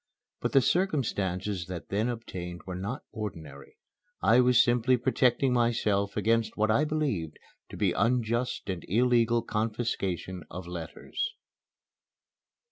But the circumstances that then obtained were not ordinary. I was simply protecting myself against what I believed to be unjust and illegal confiscation of letters.